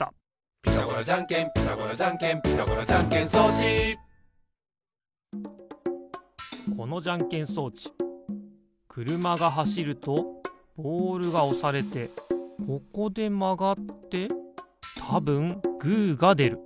「ピタゴラじゃんけんピタゴラじゃんけん」「ピタゴラじゃんけん装置」このじゃんけん装置くるまがはしるとボールがおされてここでまがってたぶんグーがでる。